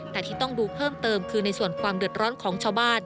แต่ที่ต้องดูเพิ่มเติมคือในส่วนความเดือดร้อนของชาวบ้าน